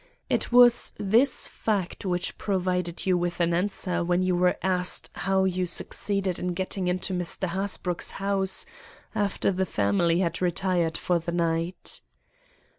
It was this fact which provided you with an answer when you were asked how you succeeded in getting into Mr. Hasbrouck's house after the family had retired for the night.